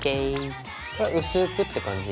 これは薄くって感じ？